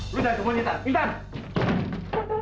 lu jangan tunggu intan intan